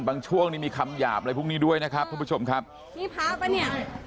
ช่วงนี้มีคำหยาบอะไรพวกนี้ด้วยนะครับทุกผู้ชมครับนี่พระป่ะเนี่ย